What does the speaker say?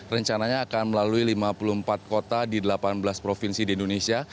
rencananya akan melalui lima puluh empat kota di delapan belas provinsi di indonesia